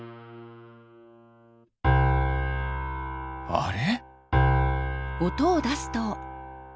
あれ？